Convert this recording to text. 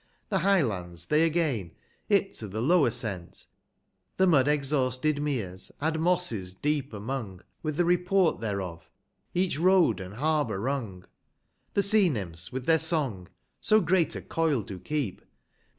The High lands they again, it to the lower sent. The mud exhausted ]\I(;res, add Mosses deep among, With the report thereof, each Road, and Harbour rung ; 200 The Sea Nymphs with their song, so great a oil do keep, • The White and Hod Hohc.